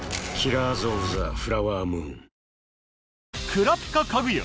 クラピカ家具屋